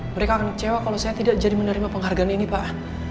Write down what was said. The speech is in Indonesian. mereka akan kecewa kalau saya tidak jadi menerima penghargaan ini pak